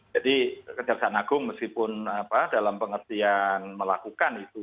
jadi kejaksaan agung meskipun dalam pengertian melakukan itu